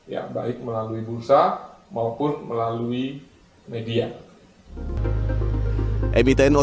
ya baik melalui bursa maupun melalui media